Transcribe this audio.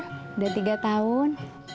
udah tiga tahun